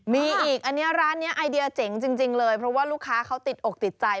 มีอีกอันนี้ร้านนี้ไอเดียเจ๋งจริงเลยเพราะว่าลูกค้าเขาติดอกติดใจ